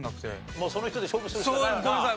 もうその人で勝負するしかないわな。